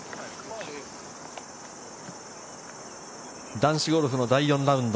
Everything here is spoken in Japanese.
男子ゴルフの第４ラウンド。